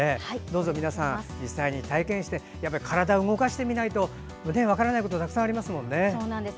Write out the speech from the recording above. どうぞ皆さん、実際に体験して体を動かしてみないと分からないことたくさんありますからね。